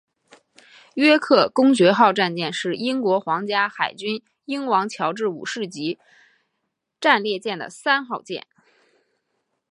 约克公爵号战舰是英国皇家海军英王乔治五世级战列舰的三号舰。